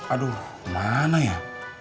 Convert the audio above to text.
aduh mana ya